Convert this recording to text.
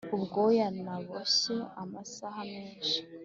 ubwoya naboshye amasaha menshi